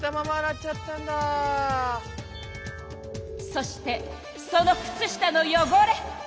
そしてそのくつ下のよごれ！